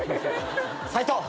サイトウ